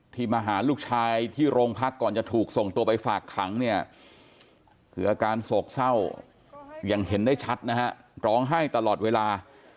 มาหาลูกชายที่โรงพักก่อนจะถูกส่งตัวไปฝากขังเนี่ยคืออาการโศกเศร้าอย่างเห็นได้ชัดนะฮะร้องไห้ตลอดเวลา